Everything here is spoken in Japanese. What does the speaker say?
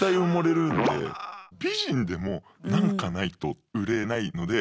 美人でもなんかないと売れないので。